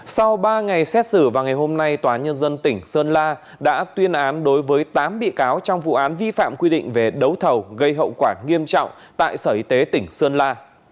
sau ba ngày xét xử vào ngày hôm nay tòa nhân dân tỉnh sơn la đã tuyên án đối với tám bị cáo trong vụ án vi phạm quy định về đấu thầu gây hậu quả nghiêm trọng tại sở y tế tỉnh sơn la